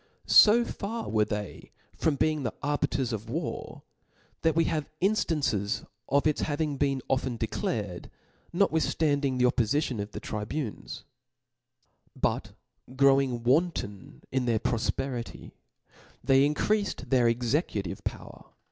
So far were they from being the . arbiters of war, that wc 2 My? O P L A W S. isS haveinftances of its having been often declared, Book notwithftanding the oppofition of the tribunes; Q^^^pl'^i^ But growing wanton in their profperity, they in Creaftd their executive*' powtr.